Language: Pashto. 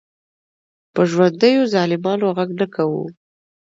په ژوندیو ظالمانو غږ نه کوو.